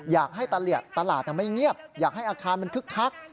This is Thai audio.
อยากให้ตลาดไม่เงียบอยากให้อาคารมันคึกคัก